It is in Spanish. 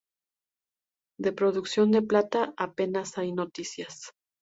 De producción de plata apenas hay noticias.